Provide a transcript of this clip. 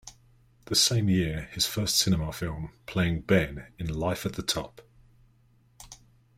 The same year, his first cinema film, playing Ben in "Life at the Top".